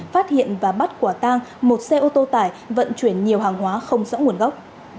phát hiện và bắt quả tang một xe ô tô tải vận chuyển nhiều hàng hóa không rõ nguồn gốc